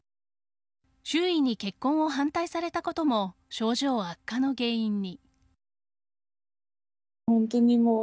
周囲に結婚を反対されたことも症状悪化の原因に。